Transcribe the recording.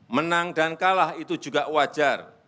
menang dan kalah itu juga wajar